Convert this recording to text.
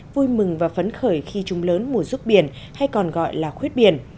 vui mừng và phấn khởi khi chúng lớn mùa ruốc biển hay còn gọi là khuyết biển